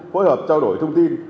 phối hợp trao đổi thông tin